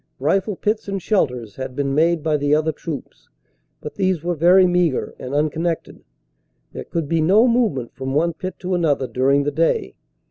Rifle pits and shelters had been made by the other troops, but these were very meagre and unconnected. There could be no movement from one pit to another during the day.